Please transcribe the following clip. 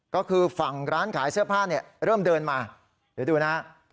ก็คือฝั่งร้านขายเสื้อผ้าเนี่ยเริ่มเดินมาเดี๋ยวดูนะฮะ